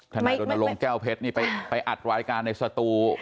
ถ้าใครโดนโลงแก้วเพชรไปอัดวายการในสตู